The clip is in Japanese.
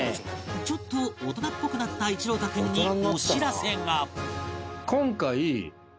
ちょっと大人っぽくなった一朗太君にお知らせが